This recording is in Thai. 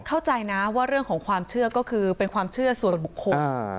เข้าใจนะว่าเรื่องของความเชื่อก็คือเป็นความเชื่อส่วนบุคคล